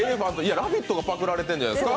「ラヴィット！」がパクられてるんじゃないですか？